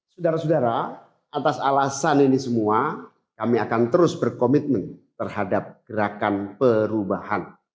saudara saudara atas alasan ini semua kami akan terus berkomitmen terhadap gerakan perubahan